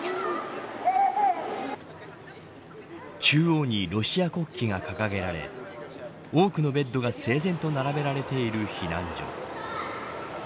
中央にロシア国旗が掲げられ多くのベッドが整然と並べられている避難所。